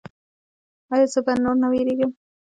ایا زه به نور نه ویریږم؟